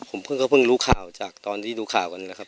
ผมเพิ่งก็เพิ่งรู้ข่าวจากตอนที่ดูข่าวกันนะครับ